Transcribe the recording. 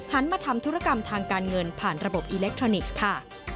มาทำธุรกรรมทางการเงินผ่านระบบอิเล็กทรอนิกส์ค่ะ